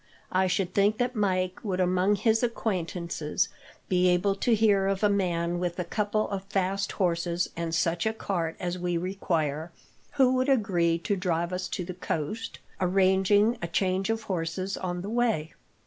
I should think that Mike would, among his acquaintances, be able to hear of a man with a couple of fast horses and such a cart as we require, who would agree to drive us to the coast, arranging a change of horses on the way.